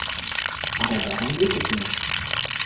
Aber darum geht es nicht.